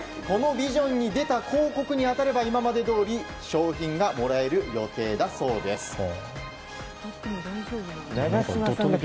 このビジョンに出た広告に当たれば今までどおり商品がもらえる予定だそうです。